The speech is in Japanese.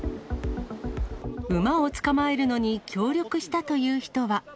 馬を捕まえるのに協力したという人は。